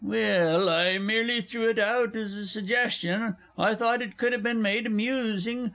Well, I merely threw it out as a suggestion. I thought it could have been made amusing.